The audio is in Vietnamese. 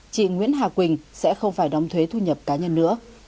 chị nguyễn hà quỳnh sẽ không phải đóng thuế thu nhập cá nhân nữa